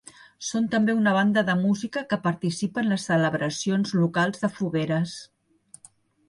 Són també una banda de música que participa en les celebracions locals de fogueres.